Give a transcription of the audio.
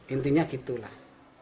intinya gitu lah